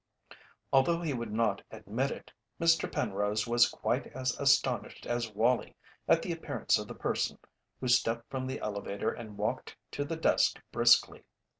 Although he would not admit it, Mr. Penrose was quite as astonished as Wallie at the appearance of the person who stepped from the elevator and walked to the desk briskly.